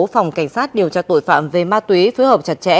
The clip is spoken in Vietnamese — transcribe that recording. phòng cảnh sát điều tra tội phạm về ma túy phối hợp chặt chẽ